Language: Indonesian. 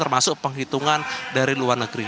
termasuk penghitungan dari luar negeri